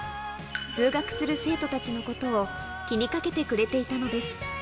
通学する生徒たちのことを、気にかけてくれていたのです。